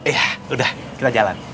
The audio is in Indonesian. ya udah kita jalan